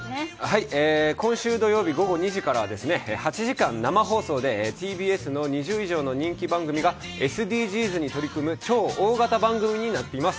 はい、今週土曜日午後２時からは８時間生放送でＴＢＳの２０以上の人気番組がＳＤＧｓに取り組む超大型番組になっています。